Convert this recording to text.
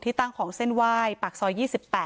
ตั้งของเส้นไหว้ปากซอย๒๘